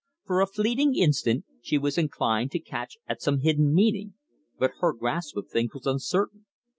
For a fleeting instant she was inclined to catch at some hidden meaning, but her grasp of things was uncertain.